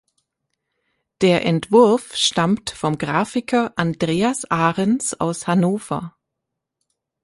Der Entwurf stammt vom Grafiker Andreas Ahrens aus Hannover.